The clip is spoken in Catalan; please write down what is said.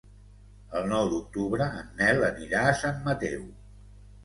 El nou d'octubre en Nel anirà a Sant Mateu.